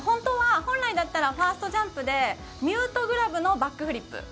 本来だったらファーストジャンプでミュートグラブのバックフリップ。